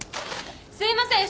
すいません。